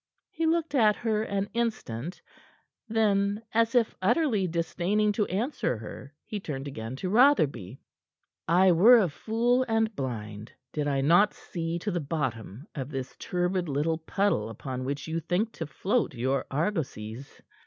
He looked at her an instant, then, as if utterly disdaining to answer her, he turned again to Rotherby. "I were a fool and blind, did I not see to the bottom of this turbid little puddle upon which you think to float your argosies.